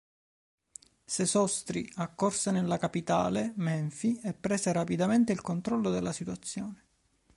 Sesostri accorse nella capitale, Menfi, e prese rapidamente il controllo della situazione.